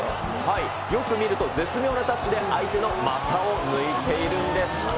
よく見ると、絶妙なタッチで相手の股を抜いているんです。